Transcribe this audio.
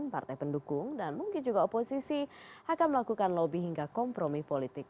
partai pendukung dan mungkin juga oposisi akan melakukan lobby hingga kompromi politik